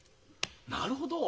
なるほど！